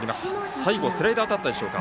最後はスライダーでしょうか。